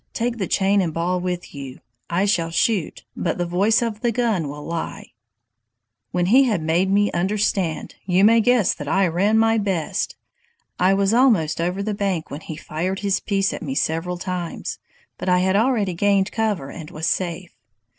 take the chain and ball with you. I shall shoot, but the voice of the gun will lie.' "When he had made me understand, you may guess that I ran my best! I was almost over the bank when he fired his piece at me several times, but I had already gained cover and was safe.